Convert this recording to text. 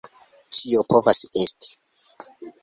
Ĉio povas esti!